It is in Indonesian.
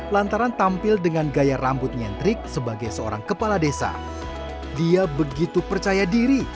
lantaran tampil dengan gaya rambut nyentrik sebagai seorang kepala desa dia begitu percaya diri